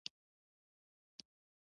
ورور ته تل باور لرلی شې.